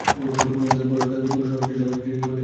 তারপর পুরো শহরের সবাইকেই টিকটিকি বানিয়ে ফেলতে চেয়েছিল।